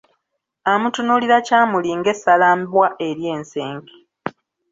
Amutunulira kyamuli ng’essalambwa ery’ensenke.